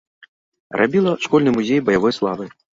Рабіла школьны музей баявой славы.